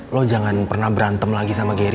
lo jangan pernah berantem lagi sama gary